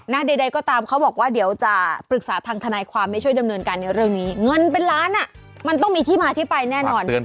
ใดก็ตามเขาบอกว่าเดี๋ยวจะปรึกษาทางทนายความไม่ช่วยดำเนินการในเรื่องนี้เงินเป็นล้านอ่ะมันต้องมีที่มาที่ไปแน่นอน